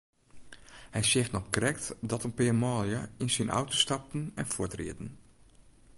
Hy seach noch krekt dat in pear manlju yn syn auto stapten en fuortrieden.